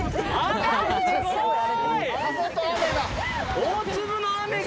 大粒の雨が！